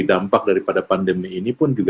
dampak daripada pandemi ini pun juga